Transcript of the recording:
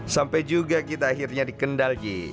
sampai juga kita akhirnya di kendal ji